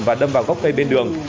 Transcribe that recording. và đâm vào gốc cây bên đường